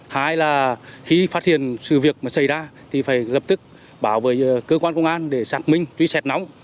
hai là khi phát hiện sự việc xảy ra thì phải lập tức bảo vệ cơ quan công an để sạc minh truy sẹt nóng